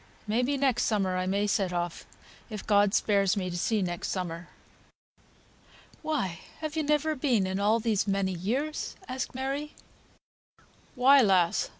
May be next summer I may set off, if God spares me to see next summer." "Why have you never been in all these many years?" asked Mary. "Why, lass!